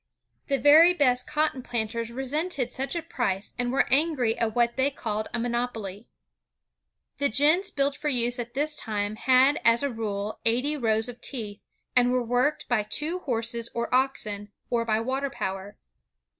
The very best cotton planters Il6 INVENTIONS OF MANUFACTURE AND PRODUCTION resented such a price and were angry at what they called a monopoly. The gins built for use at this time had as a rule eighty rows of teeth, and were worked by two horses or oxen, or by water power.